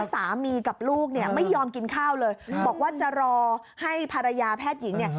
สามีกับลูกเนี่ยไม่ยอมกินข้าวเลยบอกว่าจะรอให้ภรรยาแพทย์หญิงเนี่ย